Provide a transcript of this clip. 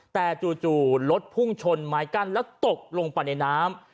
แต่จู่รถพุ่งชนไม้กั้นแล้วตกลงไปในน้ำ